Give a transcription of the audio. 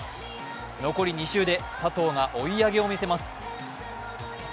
残り２周で佐藤が追い上げを見せます。